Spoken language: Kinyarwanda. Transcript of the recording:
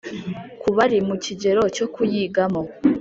ku bari mu kigero cyo kuyigamo